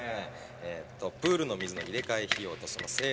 えーとプールの水の入れ替え費用とその清掃費。